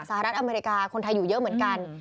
สหรัฐอเมริกาคนไทยอยู่เยอะเหมือนกัน